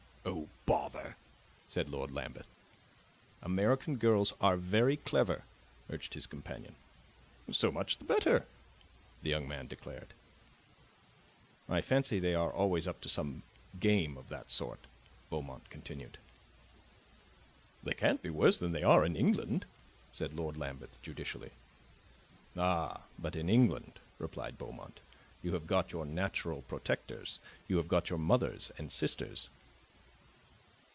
"Oh, bother!" said Lord Lambeth. "American girls are very clever," urged his companion. "So much the better," the young man declared. "I fancy they are always up to some game of that sort," Beaumont continued. "They can't be worse than they are in England," said Lord Lambeth judicially. "Ah, but in England," replied Beaumont, "you have got your natural protectors. You have got your mother and sisters."